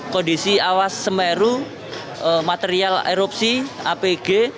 kondisi awas semeru material erupsi apg